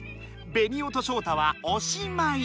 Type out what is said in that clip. ベニオとショウタは「おしまい」。